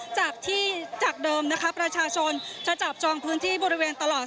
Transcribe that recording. จากที่จากเดิมนะคะประชาชนจะจับจองพื้นที่บริเวณตลอด